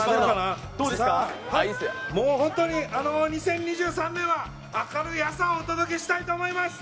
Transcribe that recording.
２０２３年は明るい朝をお送りしたいと思います。